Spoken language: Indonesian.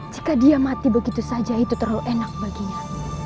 jika dia mati begitu saja itu terlalu enak baginya